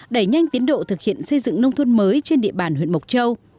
đẩy nhanh tiến độ thực hiện xây dựng nông thôn mới trên địa bàn huyện mộc châu